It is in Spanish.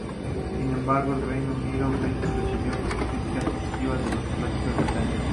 Sin embargo, en el Reino Unido, Blitz recibió críticas positivas de los críticos británicos.